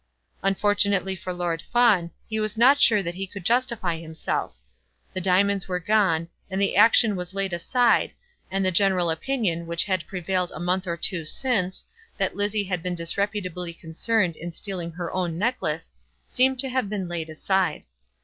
Unfortunately for Lord Fawn, he was not sure that he could justify himself. The diamonds were gone, and the action was laid aside, and the general opinion which had prevailed a month or two since, that Lizzie had been disreputably concerned in stealing her own necklace, seemed to have been laid aside.